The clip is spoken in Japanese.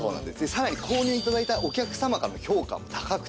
さらに購入頂いたお客様からの評価も高くてですね